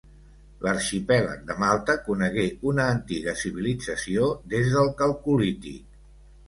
L'arxipèlag de Malta conegué una antiga civilització des del calcolític.